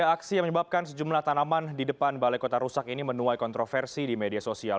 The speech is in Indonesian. aksi yang menyebabkan sejumlah tanaman di depan balai kota rusak ini menuai kontroversi di media sosial